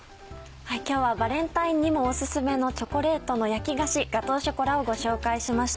今日はバレンタインにもオススメのチョコレートの焼き菓子「ガトーショコラ」をご紹介しました。